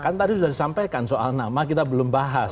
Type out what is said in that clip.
kan tadi sudah disampaikan soal nama kita belum bahas